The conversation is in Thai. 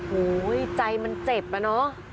โอ้โหใจมันเจ็บอะเนาะ